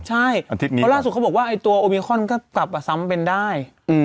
ใช่เพราะล่าสุดเขาบอกว่าตัวโอมิคอนก็กลับมาซ้ำเป็นได้